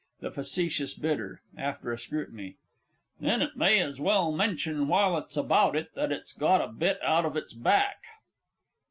THE FACETIOUS BIDDER (after a scrutiny). Then it may as well mention, while it's about it, that it's got a bit out of its back!